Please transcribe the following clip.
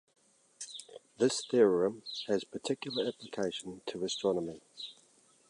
This theorem has particular application to astronomy.